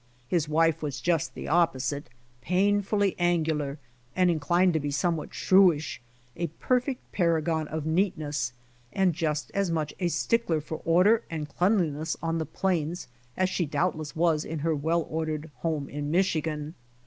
His wife was just the opposite, painfully angu lar, and inclined to be somewhat shrewish, a perfect paragon of neatness, and just as much a stickler for order and cleanliness on the plains as she doubtless was in her well ordered home in Michigan.